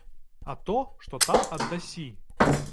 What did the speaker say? А то, што там аддасі!